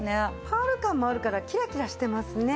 パール感もあるからキラキラしてますね。